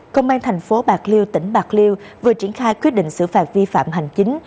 công an thành phố bạc liêu tỉnh bạc liêu vừa triển khai quyết định xử phạt vi phạm hành chính